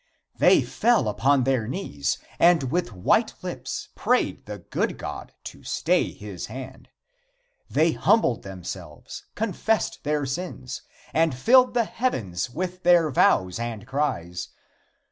They fell upon their knees and with white lips, prayed the good God to stay his hand. They humbled themselves, confessed their sins, and filled the heavens with their vows and cries.